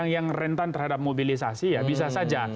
yang rentan terhadap mobilisasi ya bisa saja